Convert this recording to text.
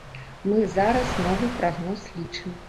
Мы зараз новы прагноз лічым.